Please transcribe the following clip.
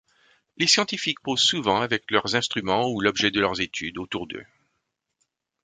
Les scientifiques posent souvent avec leurs instruments ou l'objet de leurs études autour d'eux.